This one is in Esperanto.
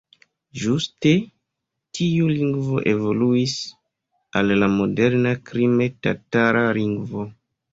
Ĝuste tiu lingvo evoluis al la moderna krime-tatara lingvo.